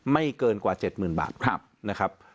ไม่เกินกว่า๗๐๐๐บาทนะครับ